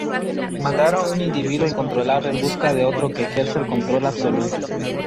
Mandar a un individuo incontrolable en busca de otro que ejerce el control absoluto.